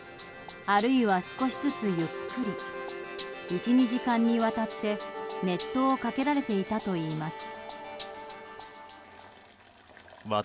あるいは、少しずつゆっくり１２時間にわたって熱湯をかけられていたといいます。